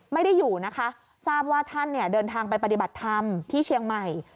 ไม่ได้อยู่นะคะทราบว่าท่านเนี่ยเดินทางไปปฏิบัติธรรมที่เชียงใหม่